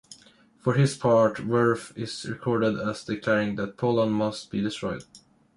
For his part, Wirth is recorded as declaring that Poland must be destroyed.